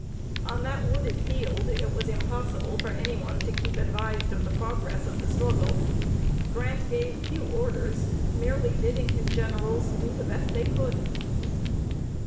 On that wooded field, it was impossible for any one to keep advised of the progress of the struggle. Grant gave few orders, merely bidding his generals do the best they could.